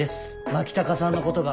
牧高さんのことが。